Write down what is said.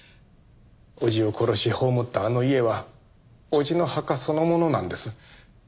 叔父を殺し葬ったあの家は叔父の墓そのものなんです。